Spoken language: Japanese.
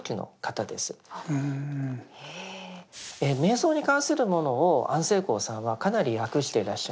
瞑想に関するものを安世高さんはかなり訳してらっしゃいます。